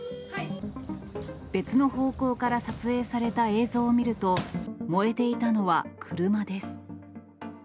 別の方向から撮影された映像を見ると、燃えていたのは車です。